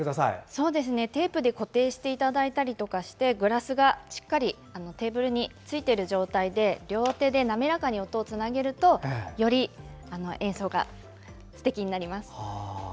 テープで固定していただいたりとかしてグラスがしっかりテーブルについている状態で両手で滑らかに音をつなげるとより演奏がすてきになります。